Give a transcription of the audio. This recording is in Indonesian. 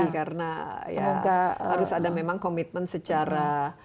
karena harus ada memang komitmen secara